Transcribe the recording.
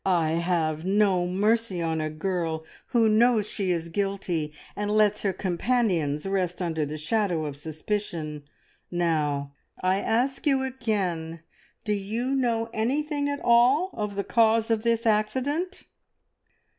I have no mercy on a girl who knows she is guilty, and lets her companions rest under the shadow of suspicion. Now, I ask you again, do you know anything at all of the cause of this accident?"